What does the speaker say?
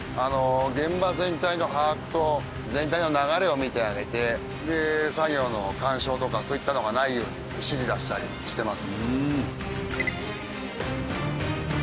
現場全体の把握と全体の流れを見てあげてで作業の干渉とかそういったのがないように指示出したりしてます。